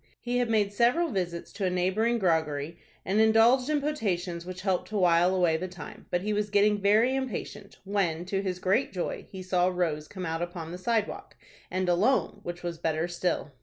He had made several visits to a neighboring groggery and indulged in potations which helped to while away the time, but he was getting very impatient, when, to his great joy, he saw Rose come out upon the sidewalk, and alone, which was better still.